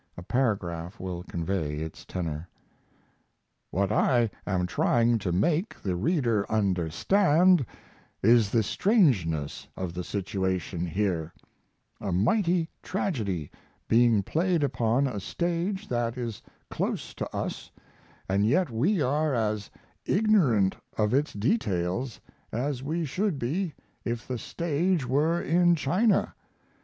A paragraph will convey its tenor. What I am trying to make the reader understand is the strangeness of the situation here a mighty tragedy being played upon a stage that is close to us, & yet we are as ignorant of its details as we should be if the stage were in China.